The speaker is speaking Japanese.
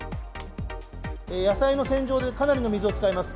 野菜の洗浄でかなりの水を使います。